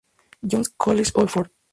John's College, Oxford.